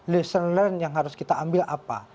lisson learned yang harus kita ambil apa